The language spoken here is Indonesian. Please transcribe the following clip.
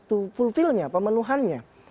to fulfill nya pemenuhannya